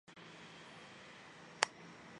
后为御史张仲炘得知上奏。